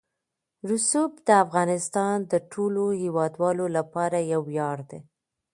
رسوب د افغانستان د ټولو هیوادوالو لپاره یو ویاړ دی.